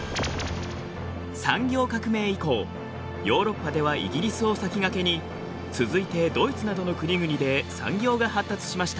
産業革命以降ヨーロッパではイギリスを先駆けに続いてドイツなどの国々で産業が発達しました。